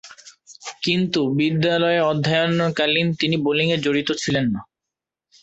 কিন্তু বিদ্যালয়ে অধ্যয়নকালীন তিনি বোলিংয়ে জড়িত ছিলেন না।